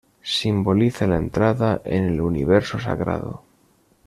Simboliza la entrada en el universo sagrado.